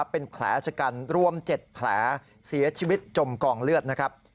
เป็นแผลชะกันรวม๗แผลเสียชีวิตจมกองเลือดนะครับ